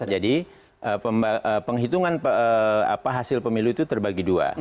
jadi penghitungan hasil pemilu itu terbagi dua